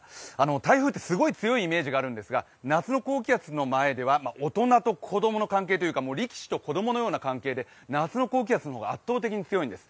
台風ってすごい強いイメージがあるんですが、夏の高気圧の前では大人と子供の関係というか力士と子供のような関係で夏の高気圧の方が圧倒的に強いんです